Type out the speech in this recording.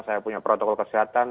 saya punya protokol kesehatan